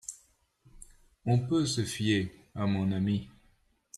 On peut se fier à mon ami.